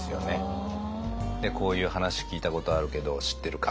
「こういう話聞いたことあるけど知ってるか？」